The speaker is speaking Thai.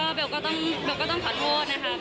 ก็เบลล์ก็ต้องขอโทษนะคะเบลล์ขอโทษทางพี่เจสพี่จัดทางอาจิตนะคะ